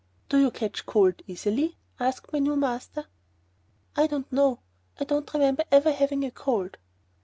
"Do you catch cold easily?" asked my new master. "I don't know. I don't remember ever having a cold."